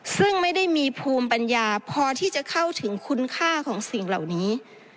ซึ่งไม่ได้มีภูมิปัญญาพอที่จะเข้าถึงคุณค่าของสิ่งเหล่านี้